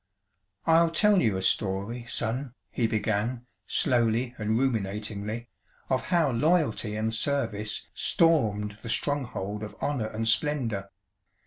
"I'll tell you a story, Son," he began, slowly and ruminatingly, "of how Loyalty and Service stormed the Stronghold of Honour and Splendour.